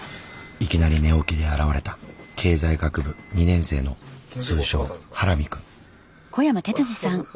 いきなり寝起きで現れた経済学部２年生の通称ハラミ君。